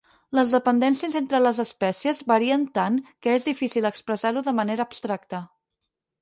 Les dependències entre les espècies varien tant que és difícil expressar-ho de manera abstracta.